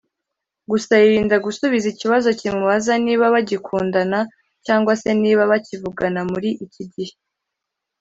Gusa yirinda gusubiza ikibazo kimubaza niba bagikundana cyangwa se niba bakivugana muri iki gihe